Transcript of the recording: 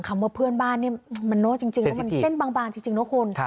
คำว่าเพื่อนบ้านเนี่ยมันเนอะจริงมันเส้นบางจริงเนอะคุณ